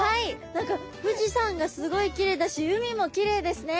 何か富士山がすごいきれいだし海もきれいですね。